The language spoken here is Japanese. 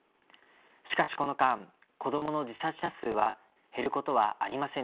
しかしこの間こどもの自殺者数は減ることはありませんでした。